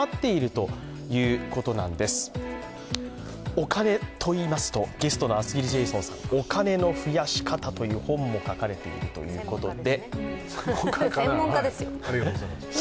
お金といいますとゲストの厚切りジェイソンさん、「お金の増やし方」という本も書かれているということで。